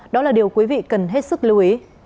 đó là điều quý vị cần hết sức lưu ý